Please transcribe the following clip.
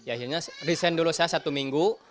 akhirnya resign dulu saya satu minggu